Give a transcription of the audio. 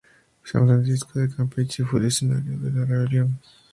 San Francisco de Campeche fue el escenario de la rebelión.